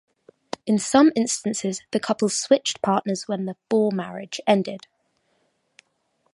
And in some instances, the couples switched partners when the "four marriage" ended.